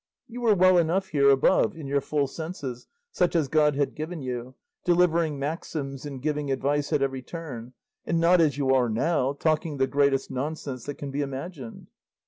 You were well enough here above in your full senses, such as God had given you, delivering maxims and giving advice at every turn, and not as you are now, talking the greatest nonsense that can be imagined."